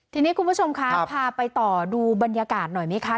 ทีนี้คุณผู้ชมคะพาไปต่อดูบรรยากาศหน่อยไหมคะ